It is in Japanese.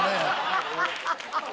ハハハハハ！